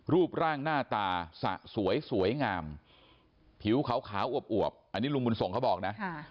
รูปร่างหน้าตาสะสวยสวยงามผิวขาวอวบอันนี้ลุงบุญส่งเขาบอกนะ